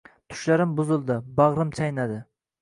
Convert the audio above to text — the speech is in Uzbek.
Tushlarim buzildi, bagʻrim chaynadi